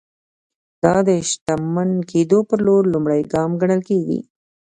دا د شتمن کېدو پر لور لومړی ګام ګڼل کېږي.